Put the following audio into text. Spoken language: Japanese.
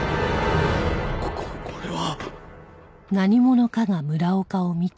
ここれは。